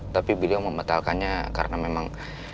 tapi beliau membatalkannya karena memang